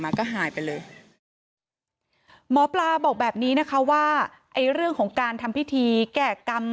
ก็หายไปเลยหมอปลาบอกแบบนี้นะคะว่าไอ้เรื่องของการทำพิธีแก้กรรม